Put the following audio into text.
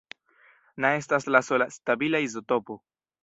Na estas la sola stabila izotopo.